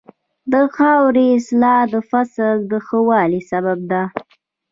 د خاورې اصلاح د فصل د ښه والي سبب ده.